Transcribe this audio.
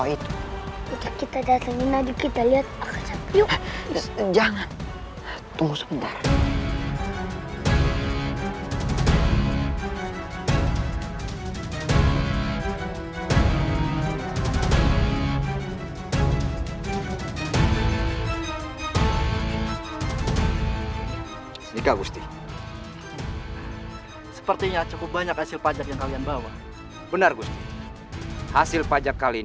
ini tidak bisa dibiarkan